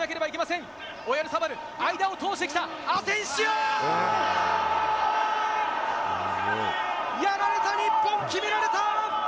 アセンシオ！やられた、日本決められた！